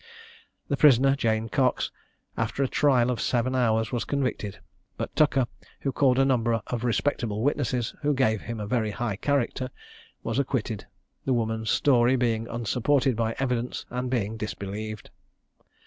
The prisoner, Jane Cox, after a trial of seven hours was convicted; but Tucker, who called a number of respectable witnesses who gave him a very high character, was acquitted, the woman's story being unsupported by evidence, and being disbelieved.